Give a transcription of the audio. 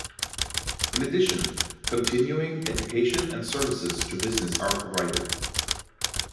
In addition Continuing education and services to business are provided.